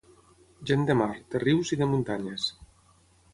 Gent de mar, de rius i de muntanyes.